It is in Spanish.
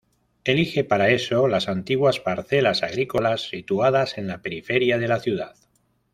Elige para eso las antiguas parcelas agrícolas situadas en la periferia de la ciudad.